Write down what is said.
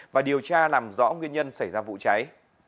và điều tra làm rõ nguyên nhân xảy ra vụ cháy